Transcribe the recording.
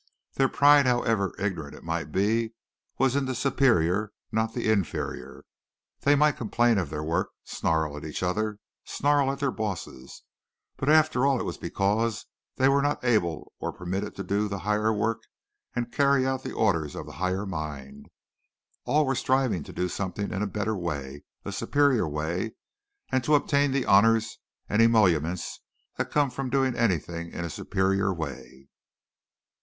Their pride, however ignorant it might be, was in the superior, not the inferior. They might complain of their work, snarl at each other, snarl at their bosses, but after all it was because they were not able or permitted to do the higher work and carry out the orders of the higher mind. All were striving to do something in a better way, a superior way, and to obtain the honors and emoluments that come from doing anything in a superior way.